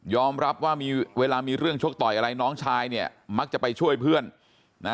รับว่ามีเวลามีเรื่องชกต่อยอะไรน้องชายเนี่ยมักจะไปช่วยเพื่อนนะ